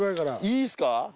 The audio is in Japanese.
いいっすか。